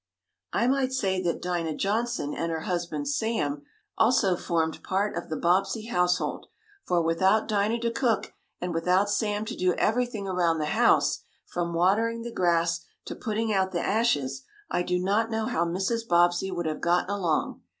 I might say that Dinah Johnson, and her husband Sam, also formed part of the Bobbsey household, for without Dinah to cook, and without Sam to do everything around the house, from watering the grass to putting out the ashes, I do not know how Mrs. Bobbsey would have gotten along.